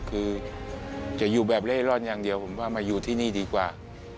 คือจะอยู่แบบเล่ร่อนอย่างเดียวผมว่ามาอยู่ที่นี่ดีกว่า